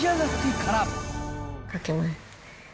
かけます。